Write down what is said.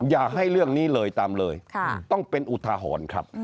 อย่าให้เรื่องนี้เลยตามเลยต้องเป็นอุทาหรณ์ครับ